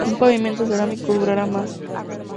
Un pavimento cerámico durara más.